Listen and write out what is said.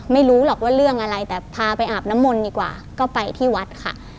ไม่รู้หรอกว่าเรื่องอะไรแต่พาไปอาบน้ำมนต์ดีกว่าก็ไปที่วัดค่ะ